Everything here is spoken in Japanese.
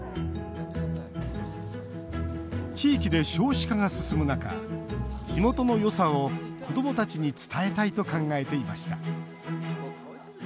地域で少子化が進む中地元のよさを子どもたちに伝えたいと考えていました。